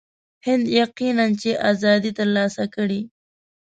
هند یقیناً چې آزادي ترلاسه کړي.